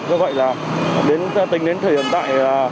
do vậy là đến tính đến thời hiện tại